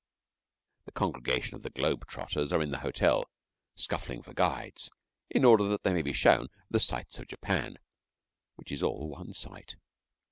The congregation of the globe trotters are in the hotel, scuffling for guides, in order that they may be shown the sights of Japan, which is all one sight.